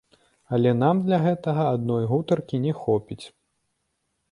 Але нам для гэтага адной гутаркі не хопіць.